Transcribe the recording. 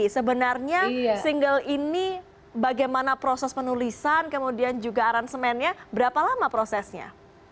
sebenarnya single ini bagaimana proses penulisan kemudian juga aransemennya berapa lama prosesnya